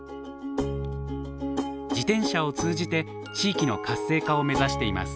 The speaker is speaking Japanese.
自転車を通じて地域の活性化を目指しています。